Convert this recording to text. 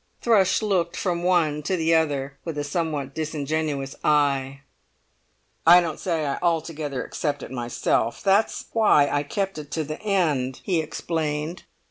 Thrush looked from one to the other with a somewhat disingenuous eye. "I don't say I altogether accept it myself; that's why I kept it to the end," he explained.